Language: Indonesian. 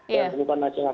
dari pengupahan nasional